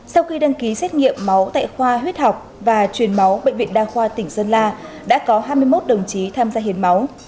sau khi đăng ký xét nghiệm máu tại khoa huyết học và truyền máu bệnh viện đa khoa tỉnh sơn la đã có hai mươi một đồng chí tham gia hiến máu